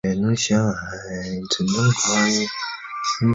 跑去买冰淇淋